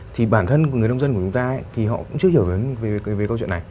thì bản thân người nông dân của chúng ta thì họ cũng chưa hiểu về câu chuyện này